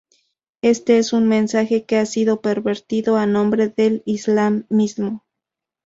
Este es un mensaje que ha sido pervertido a nombre del Islam mismo.